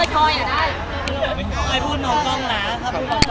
ก็พูดโน่นกล้องแล้ว